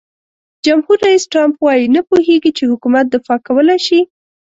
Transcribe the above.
جمهور رئیس ټرمپ وایي نه پوهیږي چې حکومت دفاع کولای شي.